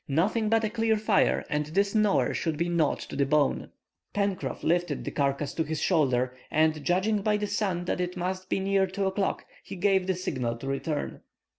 "Nothing but a clear fire, and this gnawer shall be gnawed to the bone." Pencroff lifted the carcase to his shoulder, and judging by the sun that it must be near 2 o'clock, he gave the signal to return.